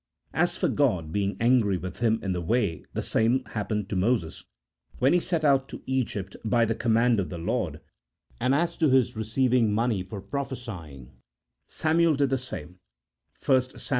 As for God being angry with him in the way, the same happened to Moses when he set out to Egypt by the command of the Lord ; and as to his receiving money for prophesying, Samuel did the same (1 Sam.